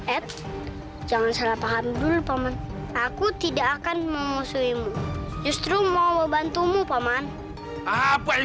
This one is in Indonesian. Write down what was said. ad jangan salah paham dulu paman aku tidak akan mengusuimu justru mau membantumu paman apa yang